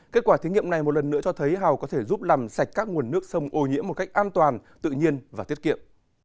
kết quả thí nghiệm này một lần nữa cho thấy hàu có thể giúp làm sạch các nguồn nước sông ô nhiễm một cách an toàn tự nhiên và tiết kiệm